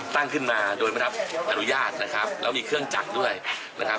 ตั้งขึ้นมาโดยไม่รับอนุญาตนะครับแล้วมีเครื่องจักรด้วยนะครับ